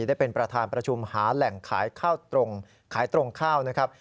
ได้เป็นประธานประชุมหาแหล่งขายตรงข้าวนะครับ